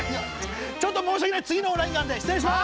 ちょっと申し訳ない次のオンラインがあるんで失礼します。